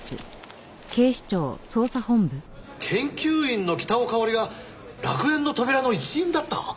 研究員の北尾佳織が楽園の扉の一員だった！？